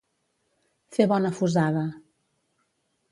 Fer bona fusada.